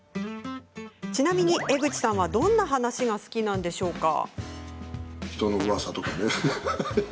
ちなみに江口さんはどんな話が好きなんでしょうか？